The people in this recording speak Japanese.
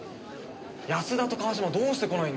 安田と川島どうして来ないんだ？